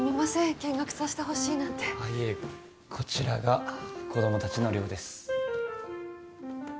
見学させてほしいなんてあっいえこちらが子ども達の寮です